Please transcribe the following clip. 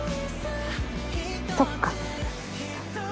そっか。